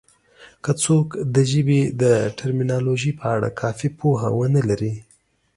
که څوک د ژبې د ټرمینالوژي په اړه کافي پوهه ونه لري